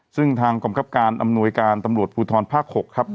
ซึ่งทางกรมคับการอำนวยการตำรวจภูทรภาค๖ครับ